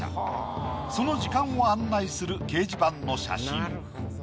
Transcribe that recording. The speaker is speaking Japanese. その時間を案内する掲示板の写真。